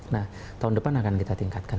nah tahun depan akan kita tingkatkan